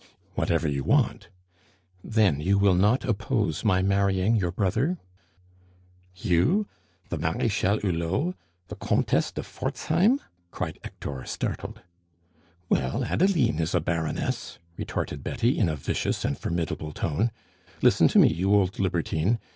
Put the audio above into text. "Whatever you want." "Then you will not oppose my marrying your brother?" "You! the Marechale Hulot, the Comtesse de Frozheim?" cried Hector, startled. "Well, Adeline is a Baroness!" retorted Betty in a vicious and formidable tone. "Listen to me, you old libertine.